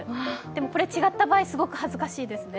でも、これ違った場合すごく恥ずかしいですね。